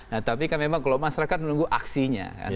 nah tapi kan memang kalau masyarakat menunggu aksinya